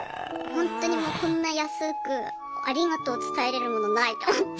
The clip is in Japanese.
ほんとにもうこんな安くありがとうを伝えれるものないと思って。